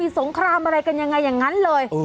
สงครามอะไรกันยังไงอย่างนั้นเลย